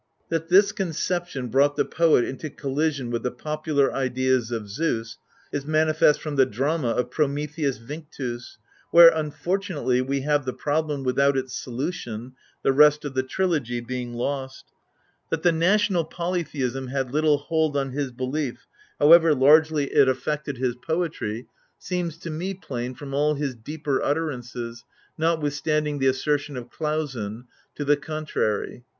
That this conception brought the poet into collision with the popular ideas of Zeus, is manifest from the drama of Prometheus Vinctus (where, unfortunately, we have the problem without its solution, the rest of the trilogy being lost) : that the national polytheism had little hold on his belief, however largely it affected his poetry, seems to me plain from all his deeper utterances, notwithstanding the assertion of Klausen (Theol. ^sch., p. 5) to the contrary.!